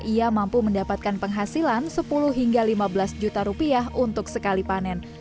ia mampu mendapatkan penghasilan sepuluh hingga lima belas juta rupiah untuk sekali panen